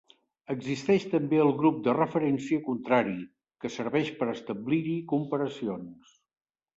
Existeix també el grup de referència contrari, que serveix per establir-hi comparacions.